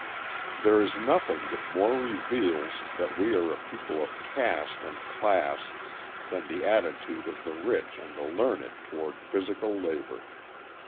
There is nothing that more reveals that we are a people of caste and class than the attitude of the rich and the "learned" toward physical labor.